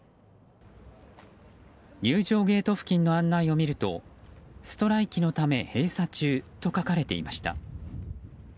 入場ゲート付近の案内を見るとストライキのため閉鎖中と書かれていました。